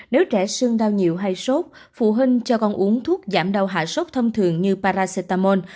nếu trẻ sưng đau nhiều hay sốt phụ huynh cho con uống thuốc giảm đau hạ sốt thông thường như paracetamol